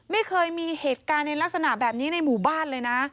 ไม่เคยมีเหตุการณ์ในลักษณะแบบนี้ในหมู่บ้านเลยนะ